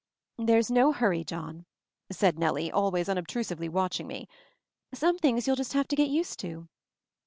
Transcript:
"There's no hurry, John," said Nellie, al ways unobtrusively watching me. "Some things you'll just have to get used to."